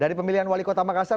dari pemilihan wali kota makassar